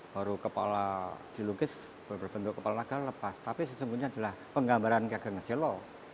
baru kepala dilukis berbentuk kepala lagar lepas tapi sesungguhnya adalah penggambaran kiageng selok